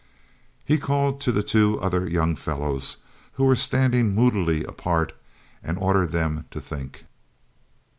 He called to the two other young fellows who were standing moodily apart and ordered them to think.